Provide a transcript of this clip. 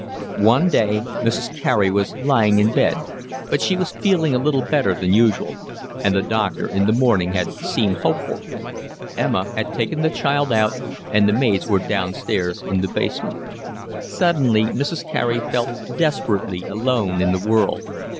One day Mrs. Carey was lying in bed, but she was feeling a little better than usual, and the doctor in the morning had seemed hopeful; Emma had taken the child out, and the maids were downstairs in the basement: suddenly Mrs. Carey felt desperately alone in the world.